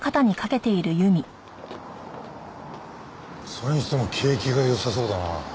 それにしても景気がよさそうだな。